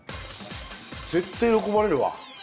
絶対喜ばれるわ。